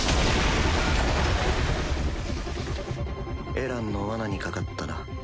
エランの罠に掛かったな。